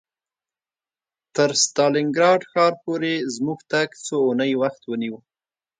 تر ستالینګراډ ښار پورې زموږ تګ څو اونۍ وخت ونیو